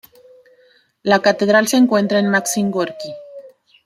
La catedral se encuentra en Maxim Gorki.